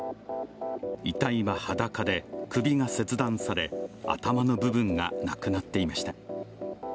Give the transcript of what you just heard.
遺体は裸で、首が切断され、頭の部分がなくなっていました。